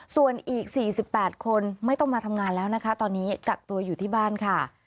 ส่วนอีก๔๘คนไม่ต้องมาทำงานแล้วนะคะตอนนี้กักตัวอยู่ที่บ้านค่ะ